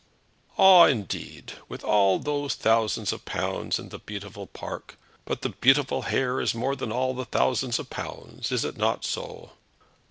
"Ah, indeed; with all the thousands of pounds and the beautiful park! But the beautiful hair is more than all the thousands of pounds. Is it not so?"